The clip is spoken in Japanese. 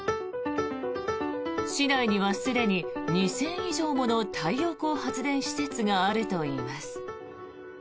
市内にはすでに２０００以上もの太陽光発電施設があるといいます。